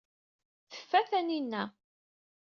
Tfa Taninna.